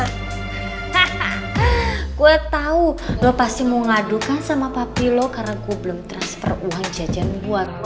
hahaha gue tau lo pasti mau ngadukan sama papi lo karena gue belum transfer uang jajan buat lo